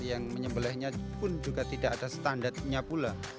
yang menyembelihnya pun juga tidak ada standarnya pula